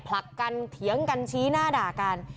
ผลักกันเถียงกันชี้หน้าด่ากัน